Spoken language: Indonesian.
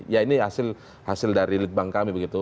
ya ini hasil dari lead bank kami begitu